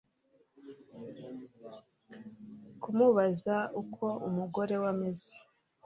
kumubaza uko umugore we ameze